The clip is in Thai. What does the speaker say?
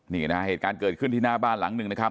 นี่นะฮะเหตุการณ์เกิดขึ้นที่หน้าบ้านหลังหนึ่งนะครับ